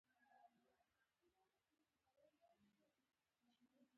فرصت له لاسه ورکوي.